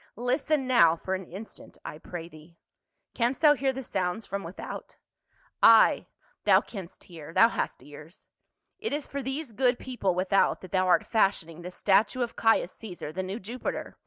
" Listen now for an instant. I pray thee. Canst thou hear the sounds from without ? Ay, thou canst 170 PA UL. hear ; thou hast ears. It is for these good people without that thou art fashioning this statue of Caius Caesar, the new Jupiter.